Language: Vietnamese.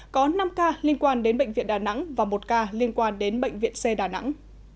có năm ca liên quan đến bệnh viện đà nẵng và một ca liên quan đến bệnh viện c đà nẵng